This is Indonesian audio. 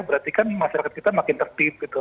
berarti kan masyarakat kita makin tertib gitu